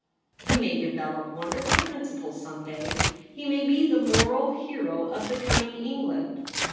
He may develop wonderful principles some day ; he may be the moral hero of the coming England.